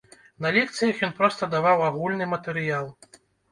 На лекцыях ён проста даваў агульны матэрыял.